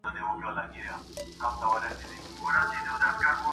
نه په كار مي پاچهي نه خزانې دي،